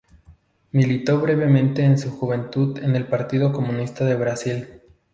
Militó brevemente en su juventud en el Partido Comunista de Brasil.